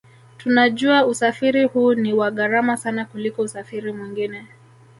Tunajua usafiri huu ni wa gharama sana kuliko usafiri mwingine